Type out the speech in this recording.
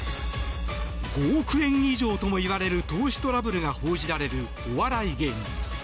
５億円以上ともいわれる投資トラブルが報じられるお笑い芸人。